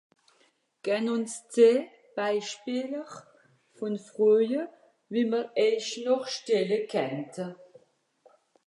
Donnez nous des exemples de questions que nous pourrions encore vous poser